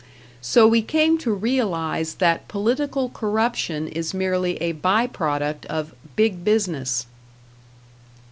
So we came to realize that political corruption is merely a by product of Big Business.